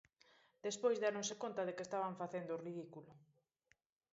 Despois déronse conta de que estaban facendo o ridículo.